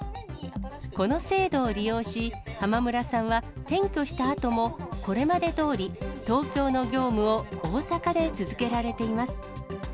この制度を利用し、浜村さんは転居したあともこれまでどおり、東京の業務を大阪で続けられています。